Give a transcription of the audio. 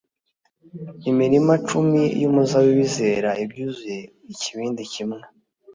Imirima cumi y’umuzabibu izera ibyuzuye ikibindi kimwe,